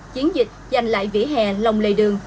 chiến dịch giành lại vỉa hè lồng lề đường